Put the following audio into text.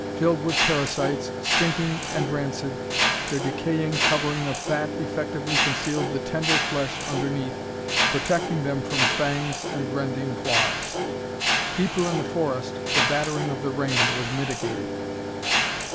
Filled with parasites, stinking and rancid, their decaying covering of fat effectively concealed the tender flesh underneath, protecting them from fangs and rending claws. Deeper in the forest the battering of the rain was mitigated.